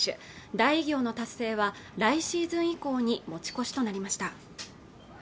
大偉業の達成は来シーズン以降に持ち越しとなりました